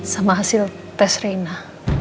sama hasil tes rena